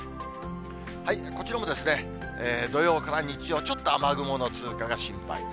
こちらも土曜から日曜、ちょっと雨雲の通過が心配。